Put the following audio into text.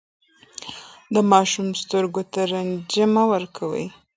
د ماشوم سترګو ته رنجې مه ورکوئ.